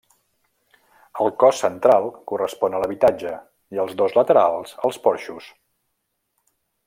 El cos central correspon a l'habitatge i els dos laterals als porxos.